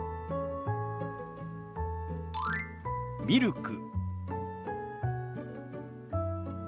「ミルク」。